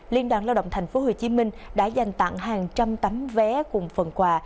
liên đoàn lao động tp hcm đã dành tặng hàng trăm tấm vé cùng phần quà